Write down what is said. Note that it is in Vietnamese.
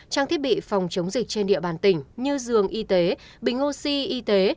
trang thiết bị phòng chống dịch trên địa bàn tỉnh như giường y tế bình oxy y tế